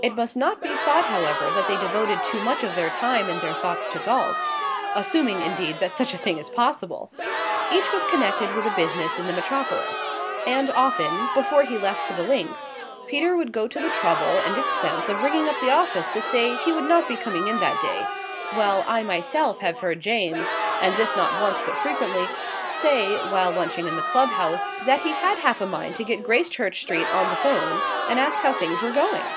It must not be thought, however, that they devoted too much of their time and their thoughts to golf assuming, indeed, that such a thing is possible. Each was connected with a business in the metropolis; and often, before he left for the links, Peter would go to the trouble and expense of ringing up the office to say he would not be coming in that day; while I myself have heard James and this not once, but frequently say, while lunching in the club house, that he had half a mind to get Gracechurch Street on the 'phone and ask how things were going.